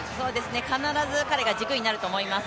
必ず彼が軸になると思います。